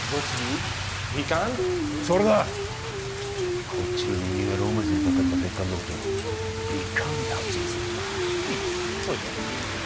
それだこっちの人間はローマ字で書かれた別館のことをヴィカァンって発音するのかうんそうよ